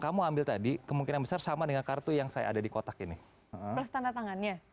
kamu ambil tadi kemungkinan besar sama dengan kartu yang saya ada di kotak ini plus tanda tangannya